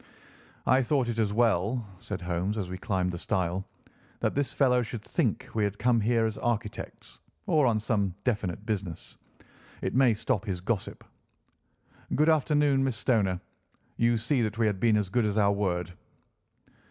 "I thought it as well," said Holmes as we climbed the stile, "that this fellow should think we had come here as architects, or on some definite business. It may stop his gossip. Good afternoon, Miss Stoner. You see that we have been as good as our word."